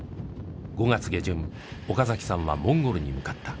５月下旬岡崎さんはモンゴルに向かった。